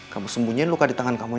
kamu sembunyiin luka di tangan kamu